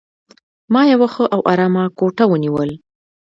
ما یوه ښه او آرامه کوټه ونیول.